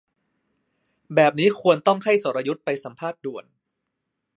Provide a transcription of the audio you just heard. แบบนี้ควรต้องให้สรยุทธไปสัมภาษณ์ด่วน